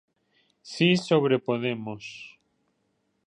Si sobre Podemos.